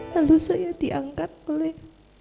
lalu saya diangkat oleh